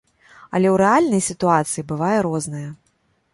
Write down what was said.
Але ў рэальнай сітуацыі бывае рознае.